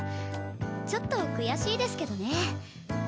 ちょっと悔しいですけどね。